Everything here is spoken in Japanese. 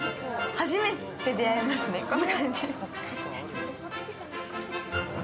初めて出会いますね、この感じ。